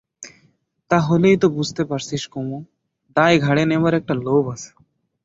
তা হলেই তো বুঝতে পারছিস কুমু, দায় ঘাড়ে নেবার একটা লোভ আছে।